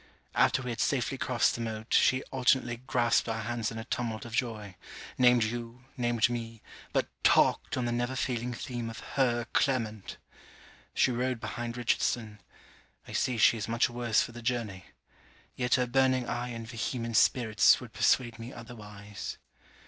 After we had safely crossed the moat, she alternately grasped our hands in a tumult of joy; named you, named me, but talked on the never failing theme of her Clement. She rode behind Richardson. I see she is much worse for the journey; yet her burning eye and vehement spirits would persuade me otherwise.